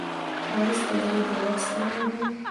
ښایست د زړه ژور ساه ده